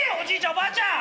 おばあちゃん